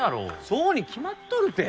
そうに決まっとるて！